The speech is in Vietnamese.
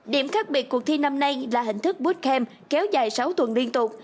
điểm khác biệt cuộc thi năm nay là hình thức bootcam kéo dài sáu tuần liên tục